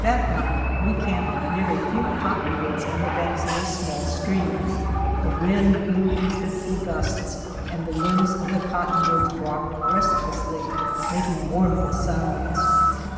That night we camped near a few cottonwoods on the banks of a small stream. The wind blew^ in fitful gusts and the limbs of the cottonwoods rocked restlessly, making mournful sounds.